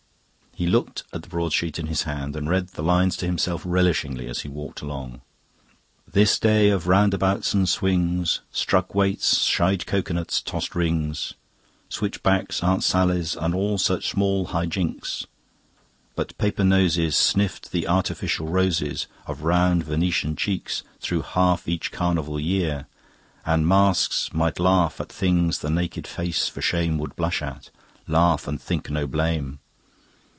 He looked at the broadsheet in his hand and read the lines to himself relishingly as he walked along: "This day of roundabouts and swings, Struck weights, shied cocoa nuts, tossed rings, Switchbacks, Aunt Sallies, and all such small High jinks you call it ferial? A holiday? But paper noses Sniffed the artificial roses Of round Venetian cheeks through half Each carnival year, and masks might laugh At things the naked face for shame Would blush at laugh and think no blame.